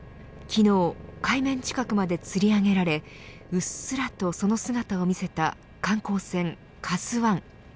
昨日、海面近くまでつり上げられうっすらとその姿を見せた観光船